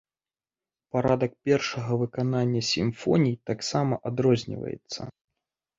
Парадак першага выканання сімфоній таксама адрозніваецца.